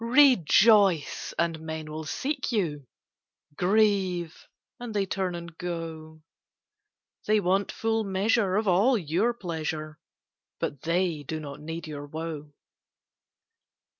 Rejoice, and men will seek you; Grieve, and they turn and go; They want full measure of all your pleasure, But they do not need your woe.